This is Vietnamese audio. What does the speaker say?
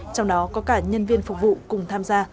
trong đó có cả nhân viên phục vụ cùng tham gia